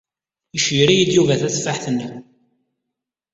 Iceyyer-iyi-d Yuba tateffaḥt-nni.